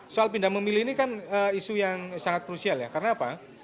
soal pindah memilih ini kan isu yang sangat krusial ya karena apa